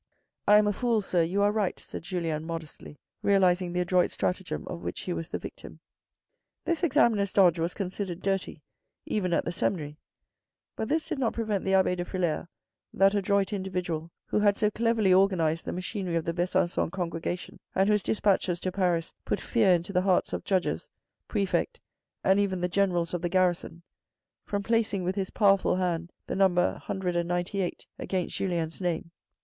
" 1 am a fool, sir You are right," said Julien modestly, realising the adroit stratagem of which he was the victim. This examiner's dodge was considered dirty, even at the seminary, but this did not prevent the abbe de Frilair, that adroit individual who had so cleverly organised the machinery of the Besancon congregation, and whose despatches to Paris put fear into the hearts of judges, prefect, and even the generals of the garrison, from placing with his powerful hand the number 198 against Julien's name.